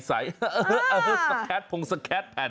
สแก๊สพงสแคทแผ่น